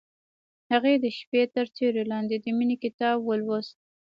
هغې د شپه تر سیوري لاندې د مینې کتاب ولوست.